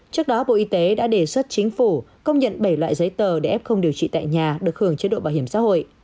trước đó bộ y tế đã đề xuất chính phủ công nhận bảy loại giấy tờ để f điều trị tại nhà được hưởng chế độ bảo hiểm xã hội